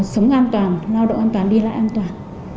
sống an toàn lao động an toàn đi lại an toàn